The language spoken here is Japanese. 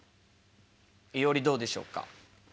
いおりどうでしょうか？